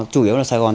chủ yếu là sài gòn